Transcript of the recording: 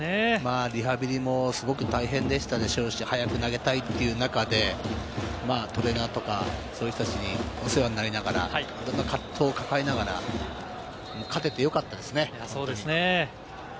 リハビリもすごく大変でしたでしょうし、早く投げたいという中で、トレーナーとか、そういう人たちにお世話になりながら、いろんな葛藤を抱えながら、勝ててよかったですね。